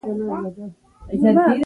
ملګری له زړه نه درسره وي